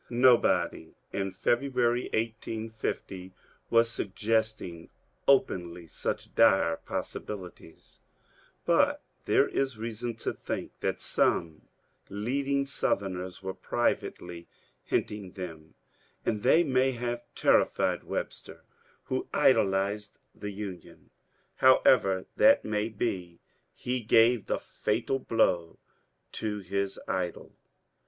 Nobody in February, 1850, was suggesting openly such dire possibilities, but there is reason to think that some leading Southerners were privately hinting them, and they may have terrified Webster, who idolized the Union. However that may be, he gave the fatal blow to his idol.